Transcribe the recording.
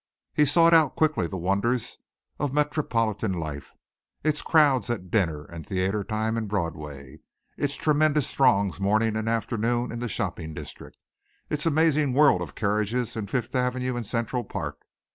He sought out quickly the wonders of metropolitan life its crowds at dinner and theatre time in Broadway, its tremendous throngs morning and afternoon in the shopping district, its amazing world of carriages in Fifth Avenue and Central Park.